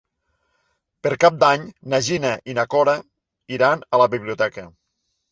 Per Cap d'Any na Gina i na Cora iran a la biblioteca.